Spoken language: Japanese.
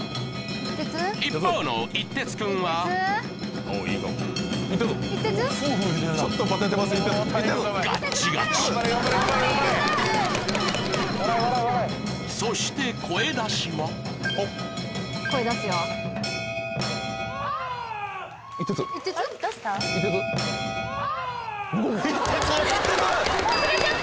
一方の一哲くんはガッチガチそして声出しはハッ一哲忘れちゃった？